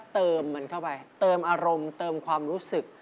เติมมันเข้าไปเติมอารมณ์เติมความรู้สึก